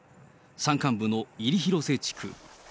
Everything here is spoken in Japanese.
山間部の入広瀬地区。